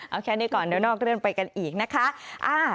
เอาแค่นี้ก่อนเดี๋ยวนอกเรื่องไปกันอีกนะคะ